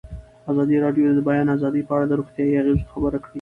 ازادي راډیو د د بیان آزادي په اړه د روغتیایي اغېزو خبره کړې.